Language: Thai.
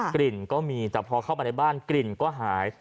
กลิ่นก็มีแต่พอเข้ามาในบ้านกลิ่นก็หาย